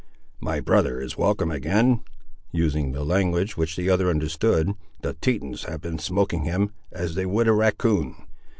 My brother is welcome again," using the language, which the other understood; "the Tetons have been smoking him, as they would a racoon."